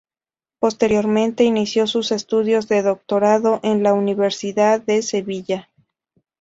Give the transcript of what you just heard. Posteriormente inició sus estudios de Doctorado en la Universidad de Sevilla.